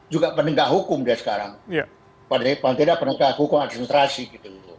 juga penegak hukum dia sekarang pada tiba tiba penegak hukum administrasi gitu